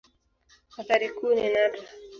Athari kuu ni nadra.